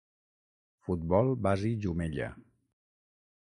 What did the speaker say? Futbol Basi Jumella.